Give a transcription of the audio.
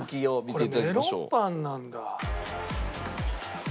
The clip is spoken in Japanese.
これメロンパンなんだ。